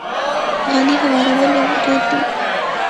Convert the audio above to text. غالۍ هوارول یو دود دی.